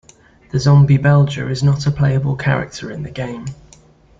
The Zombie Belger is not a playable character in the game.